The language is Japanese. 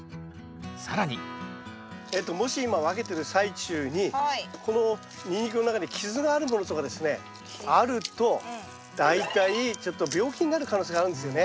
更にもし今分けてる最中にこのニンニクの中に傷があるものとかですねあると大体ちょっと病気になる可能性があるんですよね。